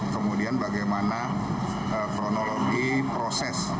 kemudian bagaimana kronologi proses